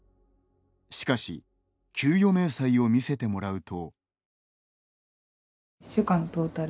しかし給与明細を見せてもらうと。